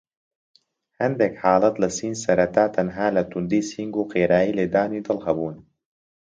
هەندێک حاڵەت لە سین سەرەتا تەنها لە توندی سینگ و خێرا لێدانی دڵ هەبوون.